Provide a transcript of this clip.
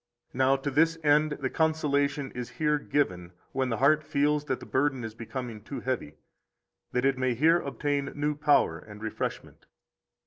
27 Now to this end the consolation is here given when the heart feels that the burden is becoming too heavy, that it may here obtain new power and refreshment.